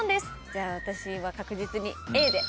じゃあ私は確実にＡで。